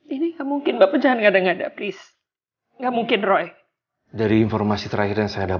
ini bu fotonya